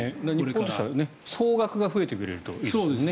日本としては総額が増えてくれるといいですよね。